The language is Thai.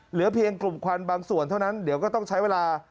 เหลือเพียงกลุ่มควันบางส่วนเท่านั้นเดี๋ยวก็ต้องใช้เวลา